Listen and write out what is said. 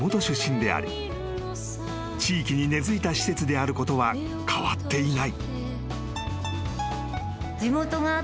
［地域に根付いた施設であることは変わっていない］